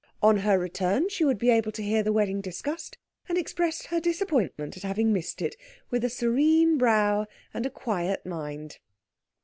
On her return she would be able to hear the wedding discussed and express her disappointment at having missed it with a serene brow and a quiet mind.